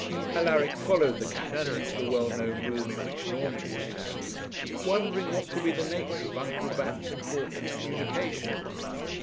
Alaric followed the captain into the well known room in which Norman used to sleep, wondering what could be the nature of Uncle Bat's important communication.